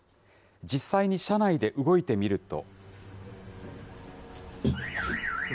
実際に車内で動いてみると。